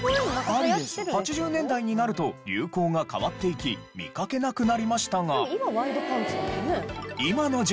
８０年代になると流行が変わっていき見かけなくなりましたが。